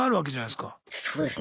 そうですね。